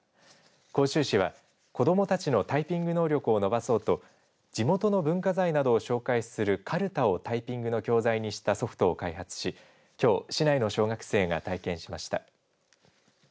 甲州市は子どもたちのタイピング能力を伸ばそうと地元の文化財などを紹介するかるたをタイピングの教材にしたソフトを開発しきょう市内の小学生が体験しました。